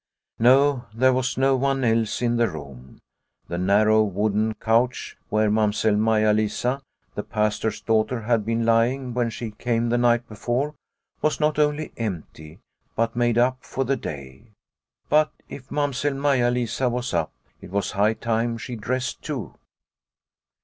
No, there was no one else in the room. The narrow wooden couch where Mam sell Maia Lisa, the Pastor's daughter, had been lying when she came the night before, was not only empty, but made up for the day. But if Mamsell Maia Lisa was up, it was high time she dressed too.